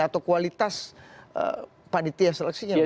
atau kualitas panitia seleksinya